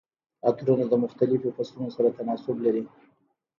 عطرونه د مختلفو فصلونو سره تناسب لري.